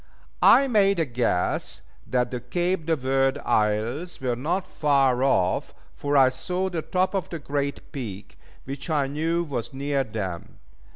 I made a guess that the Cape de Verd Isles were not far off, for I saw the top of the Great Peak, which I knew was near them.